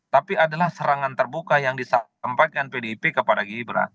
tapi adalah serangan terbuka yang disampaikan pdip kepada gibran